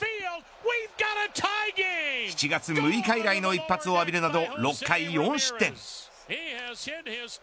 ７月６日以来の一発を浴びるなど６回４失点。